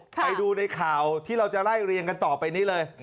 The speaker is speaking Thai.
ไปดูในข่าวที่เราจะไล่เรียงกันต่อไปนี้เลย